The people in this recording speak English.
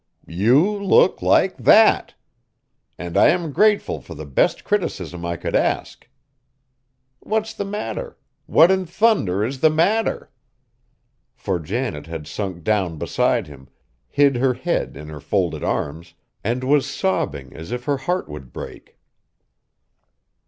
"You look like that! And I am grateful for the best criticism I could ask. What's the matter? What in thunder is the matter?" For Janet had sunk down beside him, hid her head in her folded arms, and was sobbing as if her heart would break.